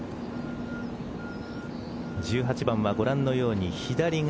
１８番はご覧のように左が